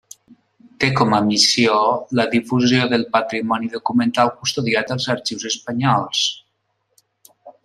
Té com a missió la difusió del patrimoni documental custodiat als arxius espanyols.